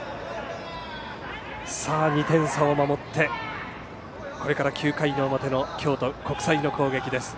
さあ、２点差を守ってこれから９回の表の京都国際の攻撃です。